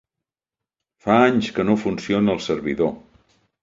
Fa anys que no funciona el servidor.